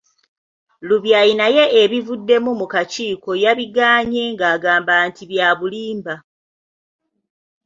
Lubyayi naye ebivuddemu mu kakiiko yabigaanye nga agamba nti bya bulimba.